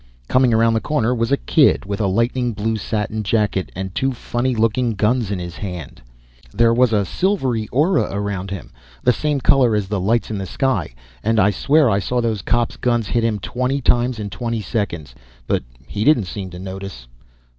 Coming around the corner was a kid with a lightning blue satin jacket and two funny looking guns in his hand; there was a silvery aura around him, the same color as the lights in the sky; and I swear I saw those cops' guns hit him twenty times in twenty seconds, but he didn't seem to notice.